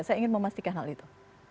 saya ingin memastikan hal itu